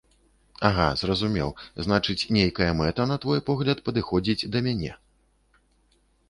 Ага, зразумеў, значыць, нейкая мэта, на твой погляд, падыходзіць да мяне.